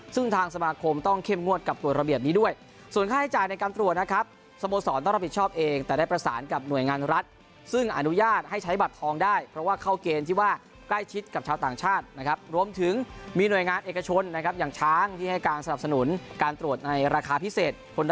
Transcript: ซึ่งทางสมาคมต้องเข้มงวดกับกฎระเบียบนี้ด้วยส่วนค่าใช้จ่ายในการตรวจนะครับสโมสรต้องรับผิดชอบเองแต่ได้ประสานกับหน่วยงานรัฐซึ่งอนุญาตให้ใช้บัตรทองได้เพราะว่าเข้าเกณฑ์ที่ว่าใกล้ชิดกับชาวต่างชาตินะครับรวมถึงมีหน่วยงานเอกชนนะครับอย่างช้างที่ให้การสนับสนุนการตรวจในราคาพิเศษคน